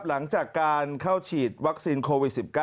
หลังจากการเข้าฉีดวัคซีนโควิด๑๙